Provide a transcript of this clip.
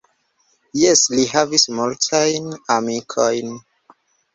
Jes, li havis multajn amikojn.